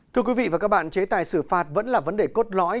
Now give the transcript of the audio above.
thưa quý vị và các bạn chế tài xử phạt vẫn là vấn đề cốt lõi